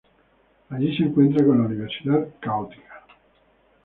Allí se encontró con la Universidad Católica.